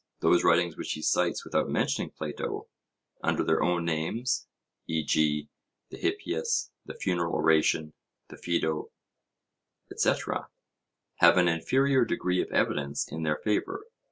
Those writings which he cites without mentioning Plato, under their own names, e.g. the Hippias, the Funeral Oration, the Phaedo, etc., have an inferior degree of evidence in their favour.